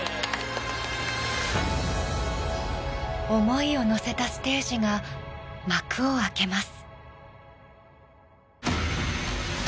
思いを乗せたステージが幕を開けます。